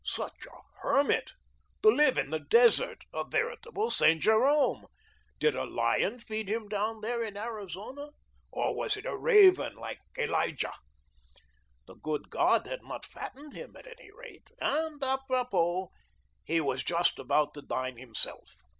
Such a hermit! To live in the desert! A veritable Saint Jerome. Did a lion feed him down there in Arizona, or was it a raven, like Elijah? The good God had not fattened him, at any rate, and, apropos, he was just about to dine himself.